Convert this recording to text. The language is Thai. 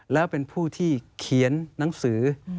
แล้วเป็นผู้ที่เขียนหนังสือ